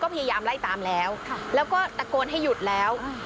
พยายามไล่ตามแล้วแล้วก็ตะโกนให้หยุดแล้ว